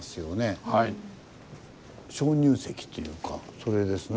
それですね。